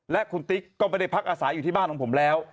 และคุณติ๊กก็ไม่ได้พักอาศัยอยู่ที่บ้านของผมแล้ว